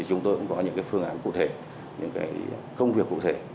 chúng tôi cũng có những phương án cụ thể những công việc cụ thể